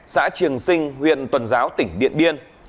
xã trường sinh huyện tuần giáo tỉnh điện biên